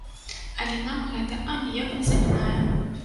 Але нам гэта аніяк не замінае!